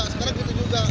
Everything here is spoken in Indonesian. sekarang gitu juga